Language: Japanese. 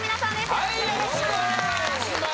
よろしくお願いします